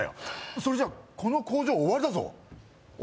それじゃこの工場終わりだぞおい